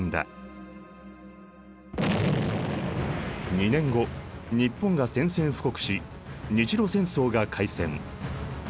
２年後日本が宣戦布告し日露戦争が開戦。